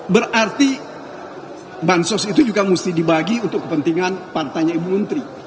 berarti bansos itu juga mesti dibagi untuk kepentingan partainya ibu menteri